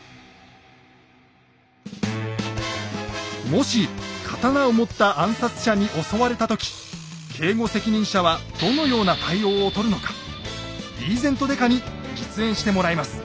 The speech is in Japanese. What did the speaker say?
もし刀を持った暗殺者に襲われた時警護責任者はどのような対応をとるのかリーゼント刑事に実演してもらいます。